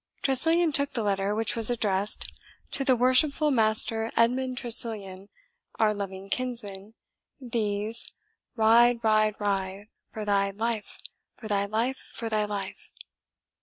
Tressilian took the letter, which was addressed "To the worshipful Master Edmund Tressilian, our loving kinsman These ride, ride, ride for thy life, for thy life, for thy life."